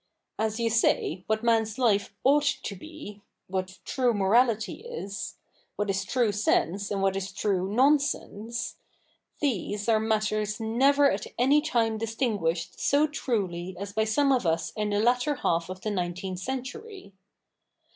As you say, what man's life ought to be — what true morality is — v/hat is true sense, and what is true nonsense — these are matters never at any time distinguished so truly as by some of us in the latter half of the nineteenth century.